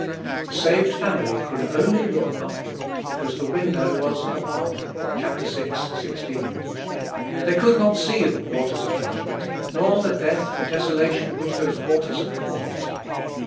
The saved family could only look upward, because the window was "above." (Chap. vi. 16.) They could not see the waters of judgment, nor the death and desolation which those waters had caused.